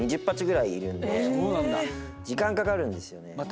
２０鉢ぐらいいるんで時間かかるんですよね。